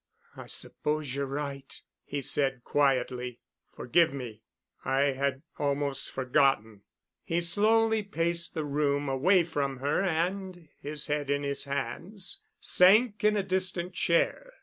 "I suppose you're right," he said quietly. "Forgive me. I had almost forgotten." He slowly paced the room away from her and, his head in his hands, sank in a distant chair.